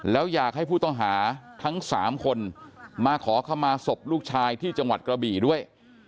แล้วอยากให้ผู้ต้องหาทั้ง๓คนมาขอขมาศพลูกชายที่จังหวัดกระบี่ด้วย